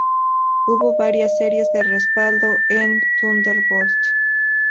Hubo varias series de respaldo en "Thunderbolt".